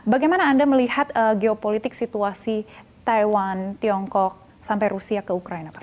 bagaimana anda melihat geopolitik situasi taiwan tiongkok sampai rusia ke ukraina pak